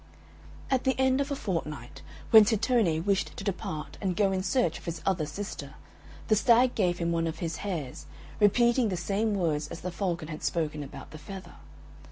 At the end of a fortnight, when Tittone wished to depart, and go in search of his other sister, the Stag gave him one of his hairs, repeating the same words as the Falcon had spoken about the feather.